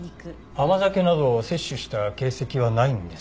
甘酒などを摂取した形跡はないんですね。